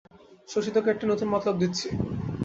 শশী, তোকে একটা নূতন মতলব দিচ্ছি।